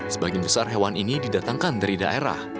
sebagian besar hewan ini didatangkan dari daerah